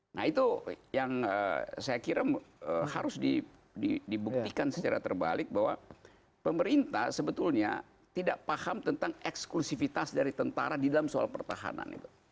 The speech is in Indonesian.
nah itu yang saya kira harus dibuktikan secara terbalik bahwa pemerintah sebetulnya tidak paham tentang eksklusifitas dari tentara di dalam soal pertahanan itu